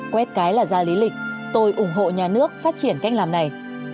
quét cái là ra lý lịch tôi ủng hộ nhà nước phát triển cách làm này